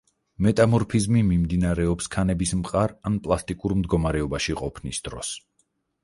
მეტამორფიზმი მიმდინარეობს ქანების მყარ ან პლასტიკურ მდგომარეობაში ყოფნის დროს.